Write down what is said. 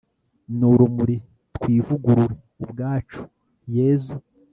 n'urumuri, twivugurure ubwacu, yezu